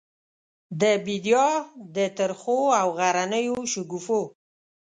د بیدیا د ترخو او غرنیو شګوفو،